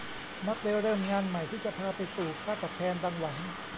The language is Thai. มักได้เริ่มงานใหม่ที่จะพาไปสู่ค่าตอบแทนดังหวัง